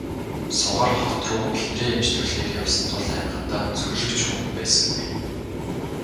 Сугар хот руу эхнэрээ эмчлүүлэхээр явсан тул амьхандаа зөвлөх ч хүн байсангүй.